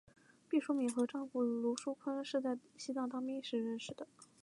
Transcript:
毕淑敏和丈夫芦书坤是在西藏当兵时认识的。